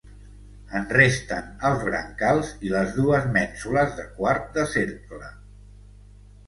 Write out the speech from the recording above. En resten els brancals i les dues mènsules de quart de cercle.